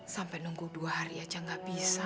sampai nunggu dua hari aja gak bisa